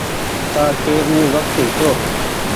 ڪآ ڪي او وکت هيتو۔